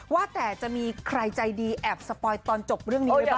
ว่าแต่จะมีใครใจดีแอบสปอยตอนจบเรื่องนี้ไว้บ้าง